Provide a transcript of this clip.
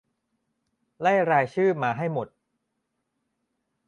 ไล่รายชื่อมาให้หมด